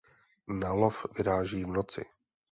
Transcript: Na lov vyráží v noci.